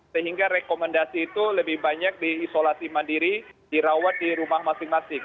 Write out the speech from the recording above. sehingga rekomendasi itu lebih banyak di isolasi mandiri dirawat di rumah masing masing